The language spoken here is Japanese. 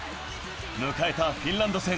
迎えたフィンランド戦。